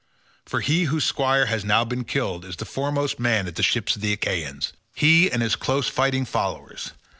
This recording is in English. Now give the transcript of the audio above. For he whose squire has been now killed is the foremost man at the ships of the Achaeans—he and his close fighting followers.